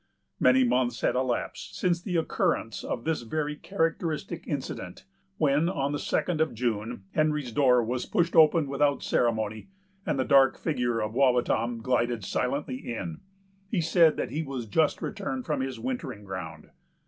Many months had elapsed since the occurrence of this very characteristic incident, when, on the second of June, Henry's door was pushed open without ceremony, and the dark figure of Wawatam glided silently in. He said that he was just returned from his wintering ground.